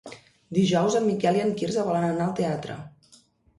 Dijous en Miquel i en Quirze volen anar al teatre.